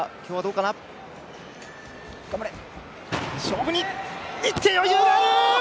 勝負にいって、余裕がある！